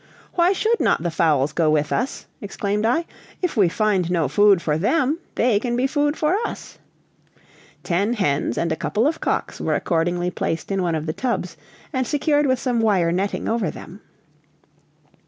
"Why should not the fowls go with us!" exclaimed I. "If we find no food for them, they can be food for us!" Ten hens and a couple of cocks were accordingly placed in one of the tubs, and secured with some wire netting over them.